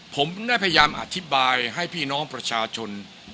ผมได้พยายามอธิบายให้พี่น้องประชาชน